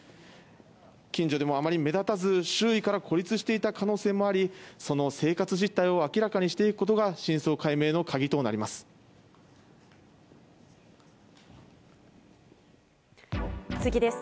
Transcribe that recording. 近所でもあまり目立たず周囲から孤立していた可能性もあり可能性もあり、その生活実態を明らかにしていくことが真相解明の鍵となります。